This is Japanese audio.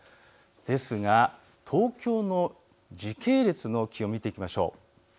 ですが東京の時系列の気温を見ていきましょう。